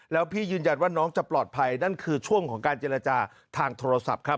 แล้วพี่ยืนยันว่าน้องจะปลอดภัยนั่นคือช่วงของการเจรจาทางโทรศัพท์ครับ